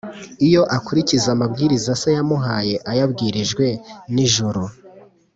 iyo akurikiza amabwiriza se yamuhaye ayabwirijwe n’ijuru,